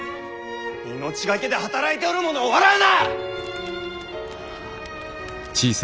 命懸けで働いておる者を笑うな！